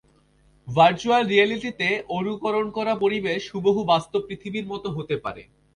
Virtual রিয়েলিটিতে অনুকরণ করা পরিবেশ হুবহু বাস্তব পৃথিবীর মতো হতে পারে।